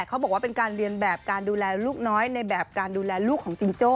เขาบอกว่าเป็นการเรียนแบบการดูแลลูกน้อยในแบบการดูแลลูกของจิงโจ้